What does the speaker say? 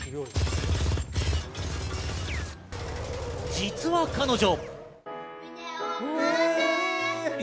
実は彼女。